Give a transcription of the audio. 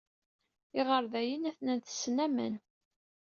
Iɣerḍayen atnan tessen aman.